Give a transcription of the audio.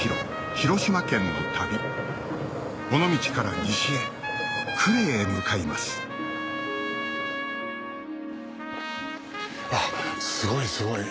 広島県の旅尾道から西へ呉へ向かいますあっすごいすごい。